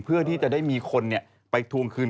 เพื่อที่จะได้มีคนไปทวงคืน